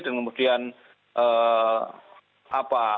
dan kemudian apa